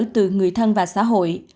từ người thân và xã hội